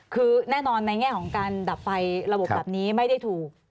คือแน่นอนในแง่ของการดับไฟระบบแบบนี้ไม่ได้ถูก